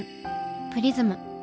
「プリズム」。